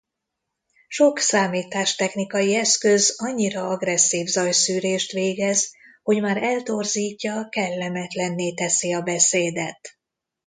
Sok számítástechnikai eszköz annyira agresszív zajszűrést végez, hogy már eltorzítja, kellemetlenné teszi a beszédet.